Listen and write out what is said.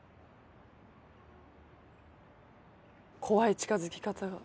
怖い近づき方。